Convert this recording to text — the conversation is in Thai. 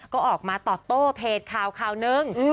ก็ออกมาต่อโต้เพจคราวนึง